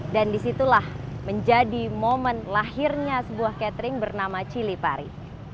dan disitulah menjadi momen lahirnya sebuah katering bernama chili pari